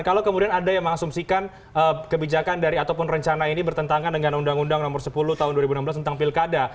kalau kemudian ada yang mengasumsikan kebijakan dari ataupun rencana ini bertentangan dengan undang undang nomor sepuluh tahun dua ribu enam belas tentang pilkada